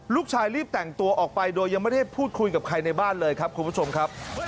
รีบแต่งตัวออกไปโดยยังไม่ได้พูดคุยกับใครในบ้านเลยครับคุณผู้ชมครับ